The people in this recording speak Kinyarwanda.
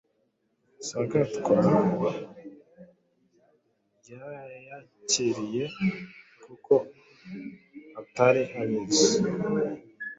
Sagatwa yarayakiriye kuko atari abizi